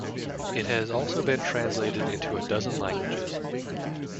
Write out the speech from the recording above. It has also been translated into a dozen languages.